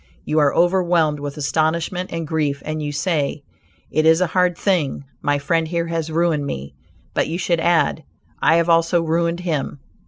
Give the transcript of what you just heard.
You are overwhelmed with astonishment and grief, and you say "it is a hard thing; my friend here has ruined me," but, you should add, "I have also ruined him."